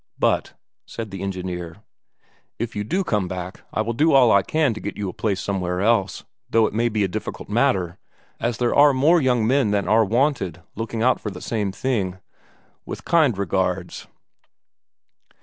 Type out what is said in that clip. "But," said the engineer, "if you do come back I will do all I can to get you a place somewhere else, though it may be a difficult matter, as there are more young men than are wanted looking out for the same thing. With kind regards...."